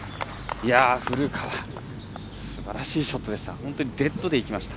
古川、すばらしいショットでした。